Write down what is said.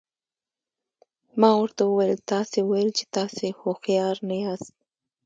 ما ورته وویل تاسي ویل چې تاسي هوښیار نه یاست.